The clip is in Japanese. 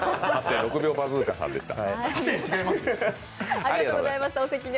８．６秒バズーカさんでした。